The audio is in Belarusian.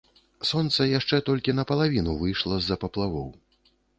Сонца яшчэ толькі напалавіну выйшла з-за паплавоў.